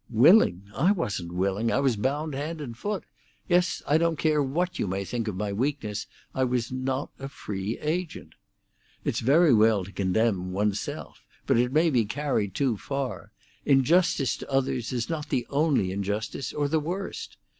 "Willing! I wasn't willing! I was bound hand and foot! Yes—I don't care what you think of my weakness—I was not a free agent. It's very well to condemn one's self, but it may be carried too far; injustice to others is not the only injustice, or the worst.